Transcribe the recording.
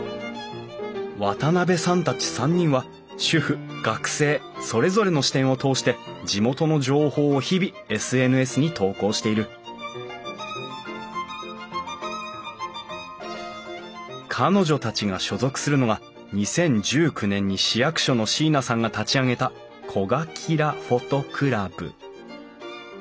渡辺さんたち３人は主婦学生それぞれの視点を通して地元の情報を日々ＳＮＳに投稿している彼女たちが所属するのが２０１９年に市役所の椎名さんが立ち上げた「こがキラＰｈｏｔｏクラブ」。